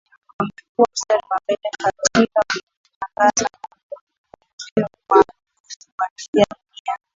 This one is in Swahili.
Wamekua mstari wa mbele katika kutangaza matukio muhimu ya dunia